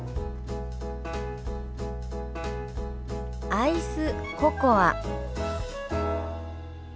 「アイスココア」。